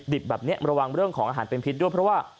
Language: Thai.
แบบนี้ระวังเรื่องของอาหารเป็นพิษด้วยเพราะว่า